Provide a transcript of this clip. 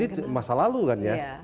di masa lalu kan ya